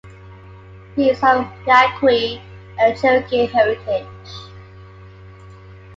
He is of Yaqui and Cherokee heritage.